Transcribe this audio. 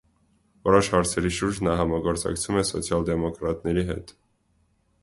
Որոշ հարցերի շուրջ նա համագործակցում է սոցիալ֊դեմոկրատների հետ։